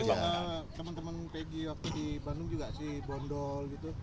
saya teman teman pg waktu di bandung juga sih bondol gitu